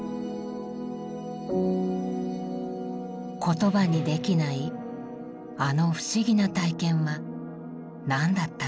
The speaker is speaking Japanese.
言葉にできないあの不思議な体験は何だったのか。